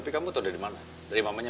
pak pi untuk bumi saya